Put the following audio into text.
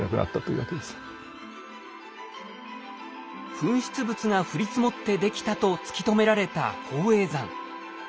噴出物が降り積もってできたと突き止められた宝永山。